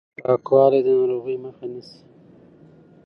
پاکوالی د ناروغۍ مخه نيسي.